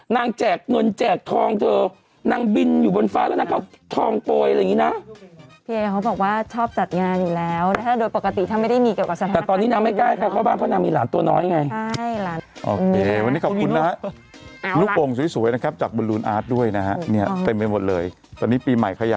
นางสาวอานุพาแสดงบอกเป็นคนขับรถเก่งเนี่ย